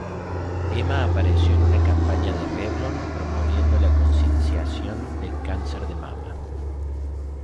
Emma apareció en una campaña de Revlon promoviendo la concienciación del cáncer de mama.